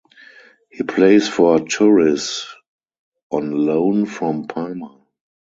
He plays for Turris on loan from Parma.